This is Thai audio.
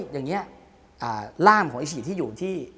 อย่างนี้ร่ามของไอฉีดที่อยู่ที่